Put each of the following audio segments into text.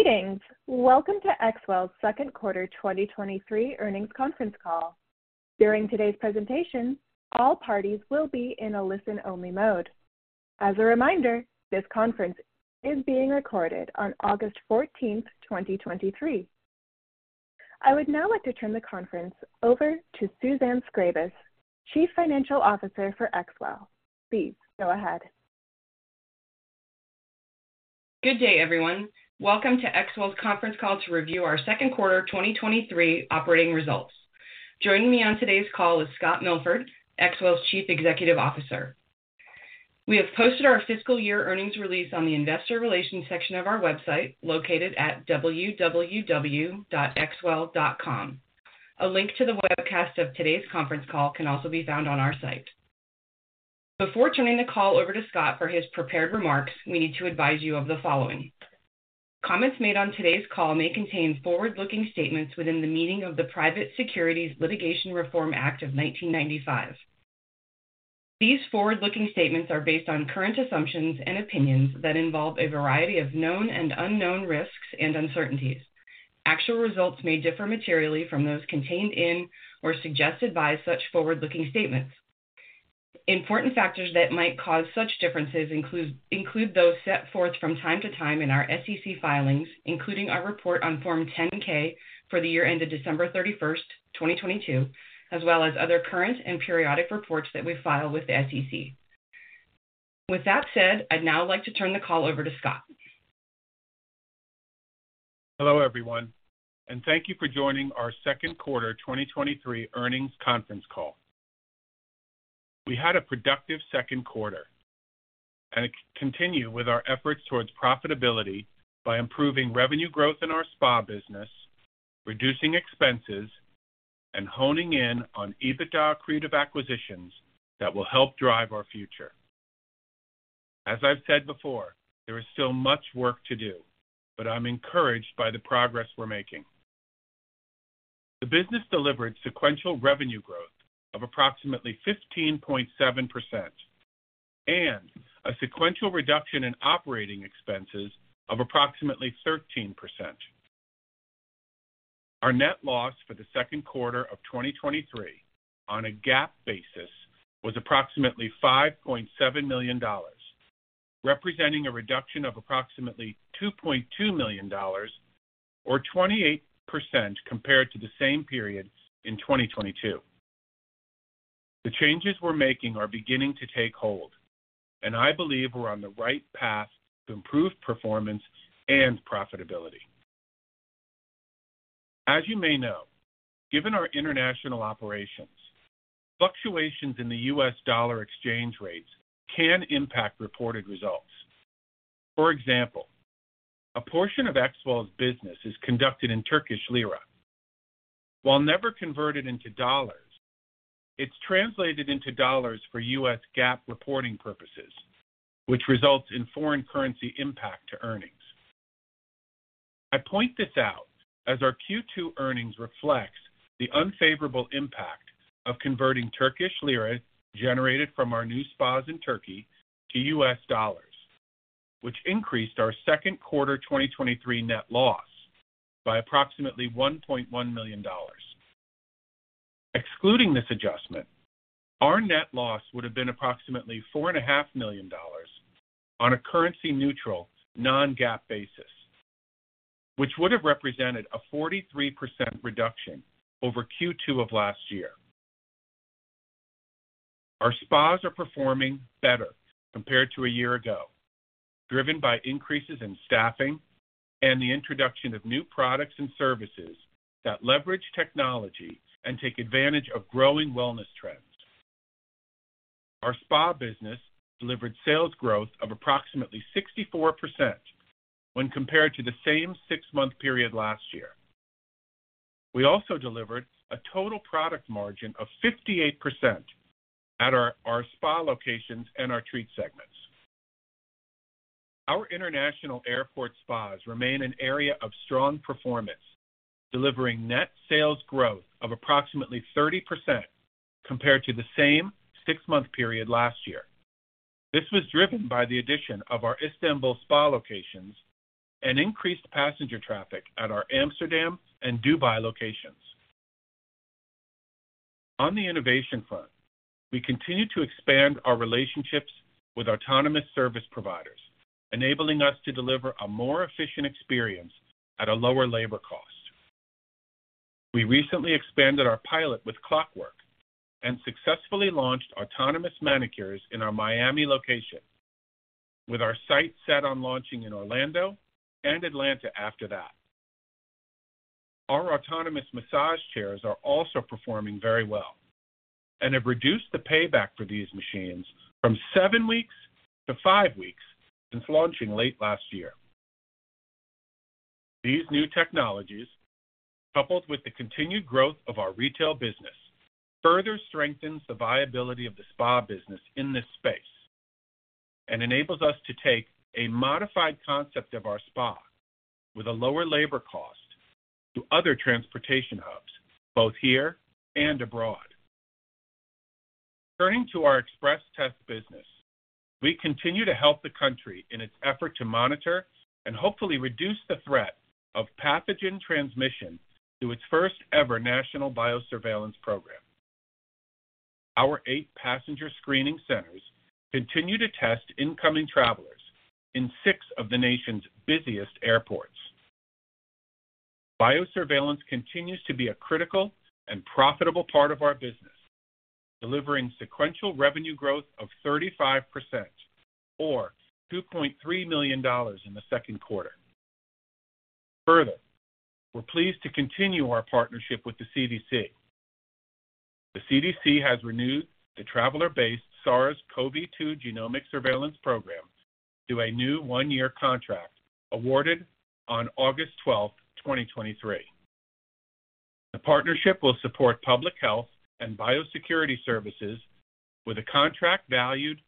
Greetings. Welcome to XWELL's Second Quarter 2023 Earnings Conference Call. During today's presentation, all parties will be in a listen-only mode. As a reminder, this conference is being recorded on August fourteenth, 2023. I would now like to turn the conference over to Suzanne Scrabas, Chief Financial Officer for XWELL. Please go ahead. Good day, everyone. Welcome to XWELL's Conference Call to review our Second Quarter 2023 operating results. Joining me on today's call is Scott Milford, XWELL's Chief Executive Officer. We have posted our fiscal year earnings release on the investor relations section of our website, located at www.xwell.com. A link to the webcast of today's conference call can also be found on our site. Before turning the call over to Scott for his prepared remarks, we need to advise you of the following: Comments made on today's call may contain forward-looking statements within the meaning of the Private Securities Litigation Reform Act of 1995. These forward-looking statements are based on current assumptions and opinions that involve a variety of known and unknown risks and uncertainties. Actual results may differ materially from those contained in or suggested by such forward-looking statements. Important factors that might cause such differences, include those set forth from time to time in our SEC filings, including our report on Form 10-K for the year ended December 31, 2022, as well as other current and periodic reports that we file with the SEC. With that said, I'd now like to turn the call over to Scott. Hello, everyone, and thank you for joining our second quarter 2023 earnings conference call. We had a productive second quarter and continue with our efforts towards profitability by improving revenue growth in our spa business, reducing expenses, and honing in on EBITDA accretive acquisitions that will help drive our future. As I've said before, there is still much work to do, but I'm encouraged by the progress we're making. The business delivered sequential revenue growth of approximately 15.7% and a sequential reduction in operating expenses of approximately 13%. Our net loss for the second quarter of 2023 on a GAAP basis, was approximately $5.7 million, representing a reduction of approximately $2.2 million or 28% compared to the same period in 2022. The changes we're making are beginning to take hold, and I believe we're on the right path to improved performance and profitability. As you may know, given our international operations, fluctuations in the U.S. dollar exchange rates can impact reported results. For example, a portion of XWELL's business is conducted in Turkish lira. While never converted into dollars, it's translated into dollars for U.S. GAAP reporting purposes, which results in foreign currency impact to earnings. I point this out as our Q2 earnings reflects the unfavorable impact of converting Turkish lira generated from our new spas in Turkey to U.S. dollars, which increased our second quarter 2023 net loss by approximately $1.1 million. Excluding this adjustment, our net loss would have been approximately $4.5 million on a currency-neutral, non-GAAP basis, which would have represented a 43% reduction over Q2 of last year. Our spas are performing better compared to a year ago, driven by increases in staffing and the introduction of new products and services that leverage technology and take advantage of growing wellness trends. Our spa business delivered sales growth of approximately 64% when compared to the same six-month period last year. We also delivered a total product margin of 58% at our spa locations and our Treat segments. Our international airport spas remain an area of strong performance, delivering net sales growth of approximately 30% compared to the same six-month period last year. This was driven by the addition of our Istanbul spa locations and increased passenger traffic at our Amsterdam and Dubai locations. On the innovation front, we continue to expand our relationships with autonomous service providers, enabling us to deliver a more efficient experience at a lower labor cost. We recently expanded our pilot with Clockwork and successfully launched autonomous manicures in our Miami location, with our sights set on launching in Orlando and Atlanta after that. Our autonomous massage chairs are also performing very well and have reduced the payback for these machines from seven weeks to five weeks since launching late last year. These new technologies, coupled with the continued growth of our retail business, further strengthens the viability of the spa business in this space and enables us to take a modified concept of our spa with a lower labor cost to other transportation hubs, both here and abroad. Turning to our XpresTest business, we continue to help the country in its effort to monitor and hopefully reduce the threat of pathogen transmission through its first-ever national biosurveillance program. Our 8 Passenger Screening Centers continue to test incoming travelers in 6 of the nation's busiest airports. Biosurveillance continues to be a critical and profitable part of our business, delivering sequential revenue growth of 35%, or $2.3 million in the second quarter. Further, we're pleased to continue our partnership with the CDC. The CDC has renewed the Traveler-based SARS-CoV-2 Genomic Surveillance program through a new 1-year contract awarded on August 12, 2023. The partnership will support public health and biosurveillance services with a contract valued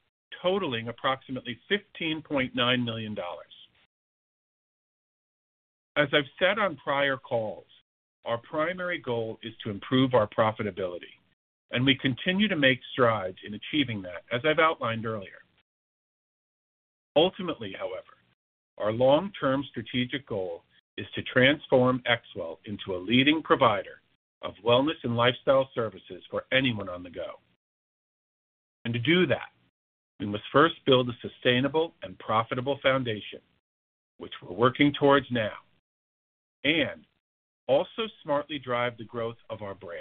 totaling approximately $15.9 million. As I've said on prior calls, our primary goal is to improve our profitability, and we continue to make strides in achieving that, as I've outlined earlier. Ultimately, however, our long-term strategic goal is to transform XWELL into a leading provider of wellness and lifestyle services for anyone on the go. To do that, we must first build a sustainable and profitable foundation, which we're working towards now, and also smartly drive the growth of our brand.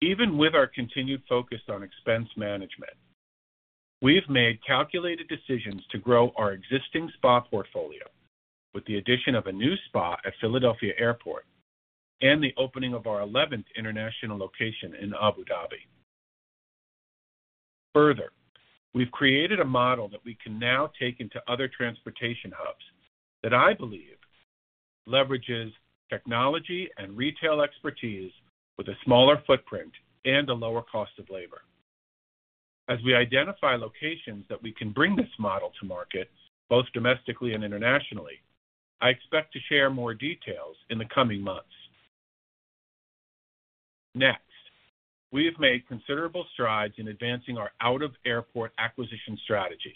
Even with our continued focus on expense management, we've made calculated decisions to grow our existing spa portfolio with the addition of a new spa at Philadelphia Airport and the opening of our 11th international location in Abu Dhabi. Further, we've created a model that we can now take into other transportation hubs that I believe leverages technology and retail expertise with a smaller footprint and a lower cost of labor. As we identify locations that we can bring this model to market, both domestically and internationally, I expect to share more details in the coming months. Next, we have made considerable strides in advancing our out-of-airport acquisition strategy.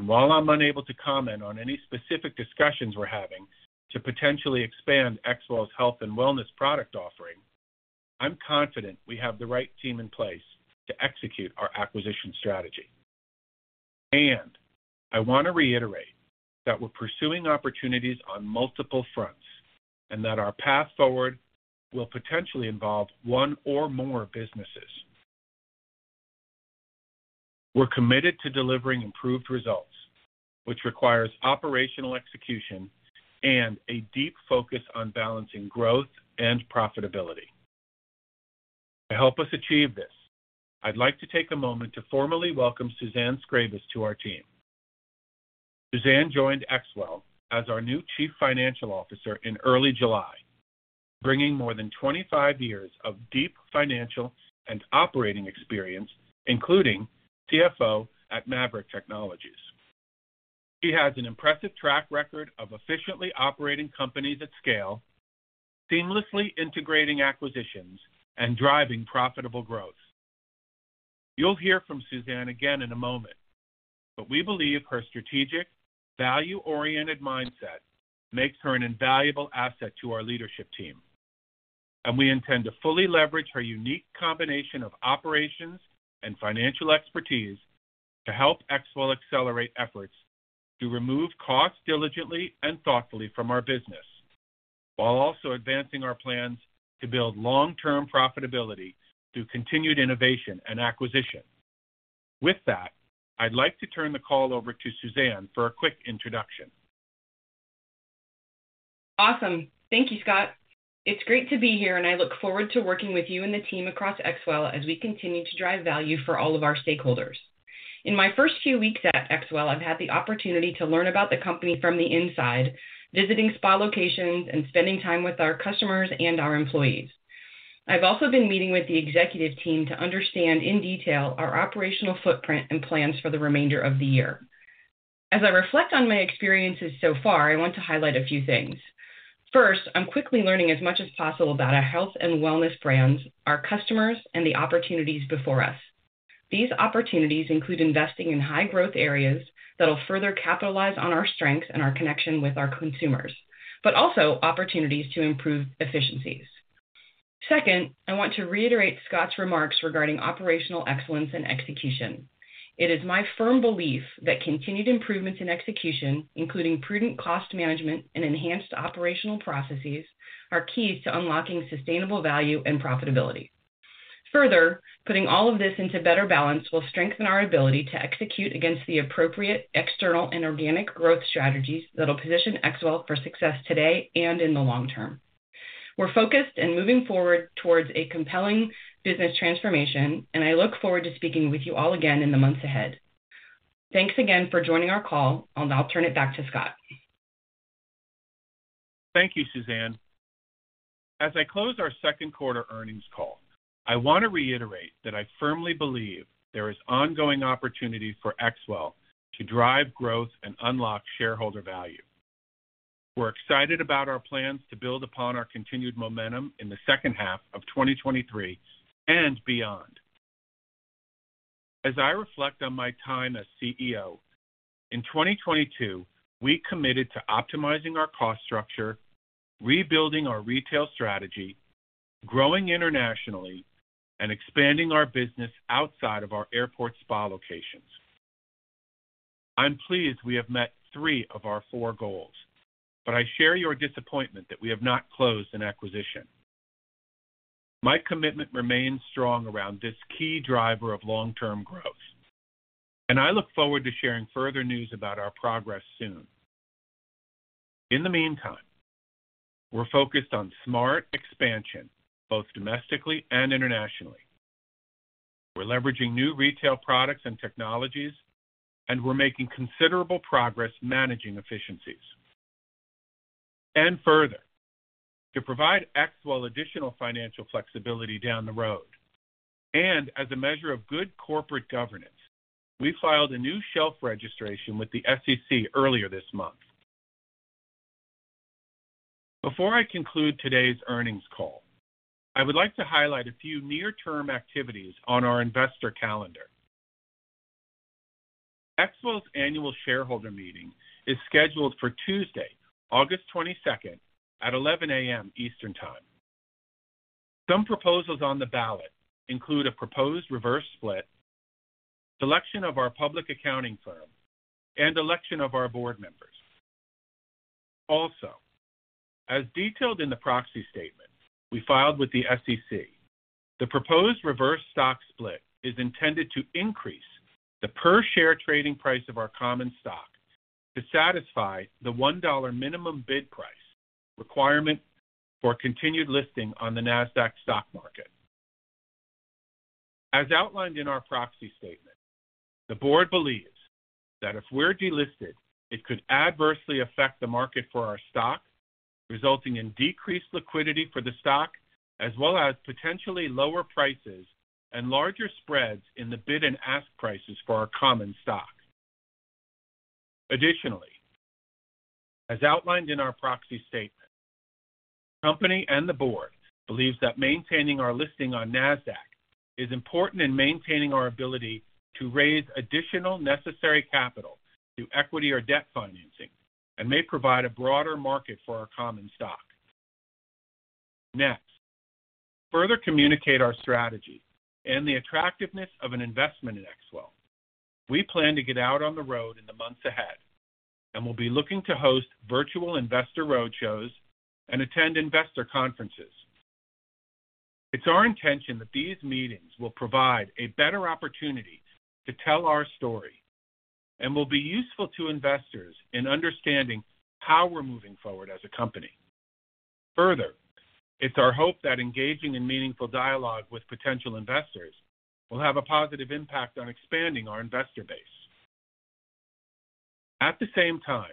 While I'm unable to comment on any specific discussions we're having to potentially expand XWELL's health and wellness product offering, I'm confident we have the right team in place to execute our acquisition strategy. I want to reiterate that we're pursuing opportunities on multiple fronts and that our path forward will potentially involve one or more businesses. We're committed to delivering improved results, which requires operational execution and a deep focus on balancing growth and profitability. To help us achieve this, I'd like to take a moment to formally welcome Suzanne Scrabas to our team. Suzanne joined XWELL as our new Chief Financial Officer in early July, bringing more than 25 years of deep financial and operating experience, including CFO at Maverick Technologies. She has an impressive track record of efficiently operating companies at scale, seamlessly integrating acquisitions, and driving profitable growth. You'll hear from Suzanne again in a moment, but we believe her strategic, value-oriented mindset makes her an invaluable asset to our leadership team. we intend to fully leverage her unique combination of operations and financial expertise to help XWELL accelerate efforts to remove costs diligently and thoughtfully from our business, while also advancing our plans to build long-term profitability through continued innovation and acquisition. With that, I'd like to turn the call over to Suzanne for a quick introduction. Awesome. Thank you, Scott. It's great to be here, and I look forward to working with you and the team across XWELL as we continue to drive value for all of our stakeholders. In my first few weeks at XWELL, I've had the opportunity to learn about the company from the inside, visiting spa locations and spending time with our customers and our employees. I've also been meeting with the executive team to understand in detail our operational footprint and plans for the remainder of the year. As I reflect on my experiences so far, I want to highlight a few things. First, I'm quickly learning as much as possible about our health and wellness brands, our customers, and the opportunities before us. These opportunities include investing in high-growth areas that'll further capitalize on our strengths and our connection with our consumers, but also opportunities to improve efficiencies. Second, I want to reiterate Scott's remarks regarding operational excellence and execution. It is my firm belief that continued improvements in execution, including prudent cost management and enhanced operational processes, are keys to unlocking sustainable value and profitability. Further, putting all of this into better balance will strengthen our ability to execute against the appropriate external and organic growth strategies that'll position XWELL for success today and in the long term. We're focused and moving forward towards a compelling business transformation, and I look forward to speaking with you all again in the months ahead. Thanks again for joining our call. I'll now turn it back to Scott. Thank you, Suzanne. As I close our second quarter earnings call, I want to reiterate that I firmly believe there is ongoing opportunity for XWELL to drive growth and unlock shareholder value. We're excited about our plans to build upon our continued momentum in the second half of 2023 and beyond. As I reflect on my time as CEO, in 2022, we committed to optimizing our cost structure, rebuilding our retail strategy, growing internationally, and expanding our business outside of our airport spa locations. I'm pleased we have met three of our four goals, but I share your disappointment that we have not closed an acquisition. My commitment remains strong around this key driver of long-term growth, and I look forward to sharing further news about our progress soon. In the meantime, we're focused on smart expansion, both domestically and internationally. We're leveraging new retail products and technologies, and we're making considerable progress managing efficiencies. Further, to provide XWELL additional financial flexibility down the road and as a measure of good corporate governance, we filed a new shelf registration with the SEC earlier this month. Before I conclude today's earnings call, I would like to highlight a few near-term activities on our investor calendar. XWELL's annual shareholder meeting is scheduled for Tuesday, August 22nd, at 11:00 A.M. Eastern Time. Some proposals on the ballot include a proposed reverse split, selection of our public accounting firm, and election of our board members. Also, as detailed in the proxy statement we filed with the SEC, the proposed reverse stock split is intended to increase the per-share trading price of our common stock to satisfy the $1 minimum bid price requirement for continued listing on the Nasdaq stock market. As outlined in our proxy statement, the board believes that if we're delisted, it could adversely affect the market for our stock, resulting in decreased liquidity for the stock, as well as potentially lower prices and larger spreads in the bid and ask prices for our common stock. As outlined in our proxy statement, the company and the board believes that maintaining our listing on Nasdaq is important in maintaining our ability to raise additional necessary capital through equity or debt financing and may provide a broader market for our common stock. To further communicate our strategy and the attractiveness of an investment in XWELL, we plan to get out on the road in the months ahead, and we'll be looking to host virtual investor roadshows and attend investor conferences. It's our intention that these meetings will provide a better opportunity to tell our story and will be useful to investors in understanding how we're moving forward as a company. Further, it's our hope that engaging in meaningful dialogue with potential investors will have a positive impact on expanding our investor base. At the same time,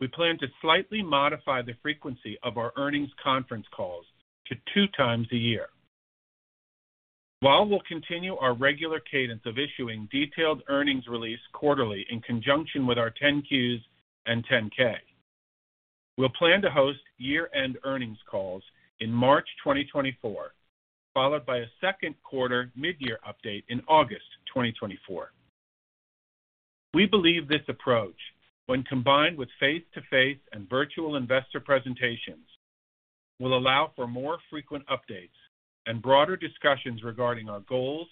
we plan to slightly modify the frequency of our earnings conference calls to 2 times a year. While we'll continue our regular cadence of issuing detailed earnings release quarterly in conjunction with our 10-Qs and 10-K, we'll plan to host year-end earnings calls in March 2024, followed by a second-quarter mid-year update in August 2024. We believe this approach, when combined with face-to-face and virtual investor presentations, will allow for more frequent updates and broader discussions regarding our goals,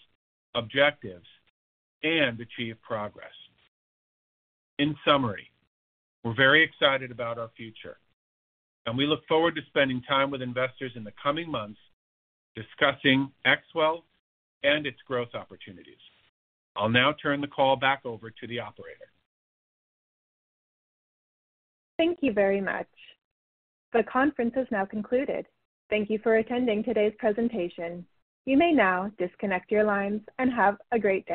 objectives, and achieved progress. In summary, we're very excited about our future, and we look forward to spending time with investors in the coming months discussing XWELL and its growth opportunities. I'll now turn the call back over to the operator. Thank you very much. The conference is now concluded. Thank you for attending today's presentation. You may now disconnect your lines, and have a great day.